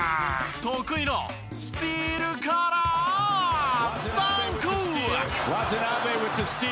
得意のスティールからダンク！